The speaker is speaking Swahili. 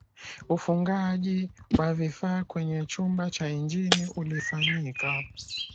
ufungaji wa vifaa kwenye chumba cha injini ulifanyika